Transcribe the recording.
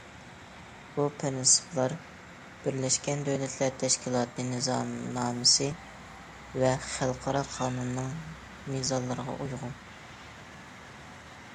بۇ پىرىنسىپلار« بىرلەشكەن دۆلەتلەر تەشكىلاتى نىزامنامىسى» ۋە خەلقئارا قانۇننىڭ مىزانلىرىغا ئۇيغۇن.